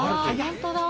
本当だ。